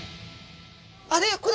あれ？